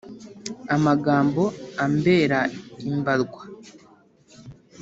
Amagambo ambera imbarwa